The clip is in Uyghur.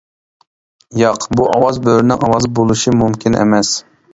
ياق، بۇ ئاۋاز بۆرىنىڭ ئاۋازى بولۇشى مۇمكىن ئەمەس!